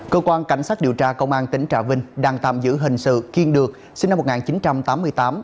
cơ quan cảnh sát điều tra công an tỉnh trà vinh đang tạm giữ hình sự kiên được sinh năm một nghìn chín trăm tám mươi tám